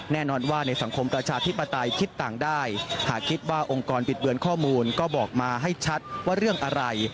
แน่นอนว่าในสังคมประชาธิปไตยคิดต่างได้หากคิดว่าองค์กรบิดเบือนข้อมูลก็บอกมาให้ชัดว่าเรื่องอะไร